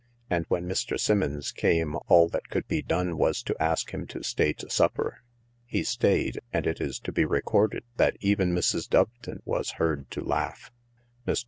And when Mr. Simmons came all that could be done was to ask him to stay to supper. He stayed, and it is to be recorded that even Mrs. Doveton was heard to laugh. Mr.